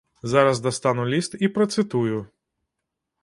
Зараз дастану ліст і працытую.